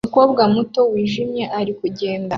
Umukobwa muto wijimye ari kugenda